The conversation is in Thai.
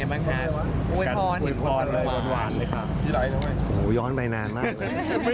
เป็นอย่างไรบ้างคะ